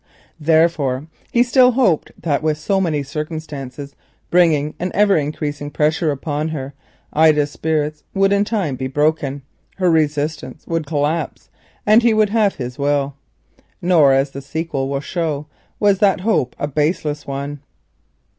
Therefore he still hoped that with so many circumstances bringing an ever increasing pressure upon her, Ida's spirit would in time be broken, her resistance would collapse, and he would have his will. Nor, as the sequel will show, was that hope a baseless one.